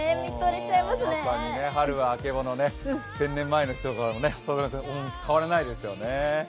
まさに春はあけぼの、千年前の人からも、それは変わらないですよね。